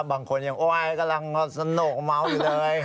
บางคนยังโอ๊ยกำลังสนุกเมาอยู่เลย